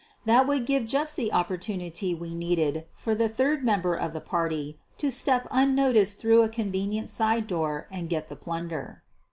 That would give just the oppor tunity we needed for the third member of the party to step unnoticed through a convenient side door, and get the plunder.